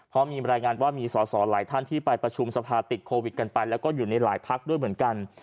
เพราะมีรายงานว่ามีสอสอหลายท่านที่ไปประชุมสภาติดโควิดกันไปแล้วก็อยู่ในหลายพักด้วยเหมือนกัน